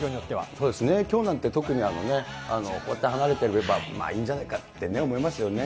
そうですね、きょうなんて特に、こうやって離れていれば、まあ、いいんじゃないかって思いますよね。